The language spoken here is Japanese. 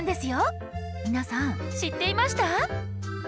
皆さん知っていました？